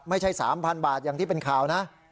๓๐๐๐บาทอย่างที่เป็นข่าวนะ